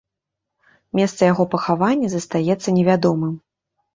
Месца яго пахавання застаецца невядомым.